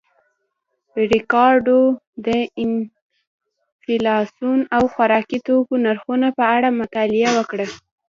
ریکارډو د انفلاسیون او خوراکي توکو نرخونو په اړه مطالعه وکړه